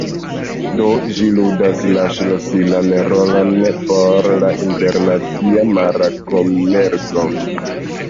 Do, ĝi ludas ŝlosilan rolon por la internacia mara komerco.